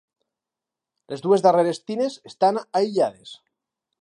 Les dues darreres tines estan aïllades.